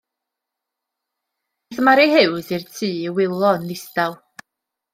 Aeth Mari Huws i'r tŷ i wylo yn ddistaw.